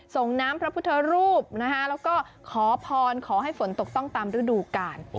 ส่งน้ำพระพุทธรูปนะคะแล้วก็ขอพรขอให้ฝนตกต้องตามฤดูกาล